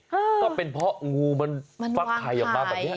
ก็เป็นเพราะงูมันฟักไข่ออกมาแบบนี้